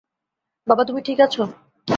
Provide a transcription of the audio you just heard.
বাবা তুমি ঠিক আছো?